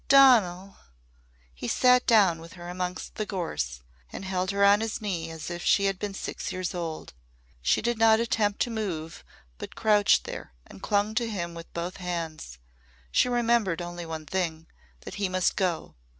Donal!" He sat down with her amongst the gorse and held her on his knee as if she had been six years old. She did not attempt to move but crouched there and clung to him with both hands. She remembered only one thing that he must go!